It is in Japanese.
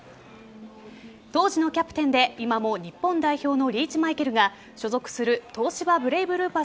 当時のキャプテンで今も日本代表のリーチ・マイケルが所属する東芝ブレイブルーパス